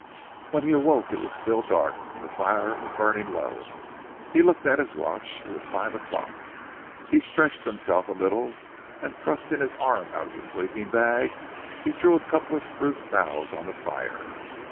When he awoke it was still dark, and the fire was burning low. He looked at his watch. It was five o'clock. He stretched himself a little, and thrusting his arm out of the sleeping bag, he threw a couple of spruce boughs on the fire.